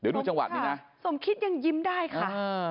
เดี๋ยวดูจังหวะนี้นะสมคิดยังยิ้มได้ค่ะ